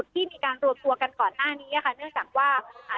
ที่มีการรวมตัวกันก่อนหน้านี้อ่ะค่ะเนื่องจากว่าอ่า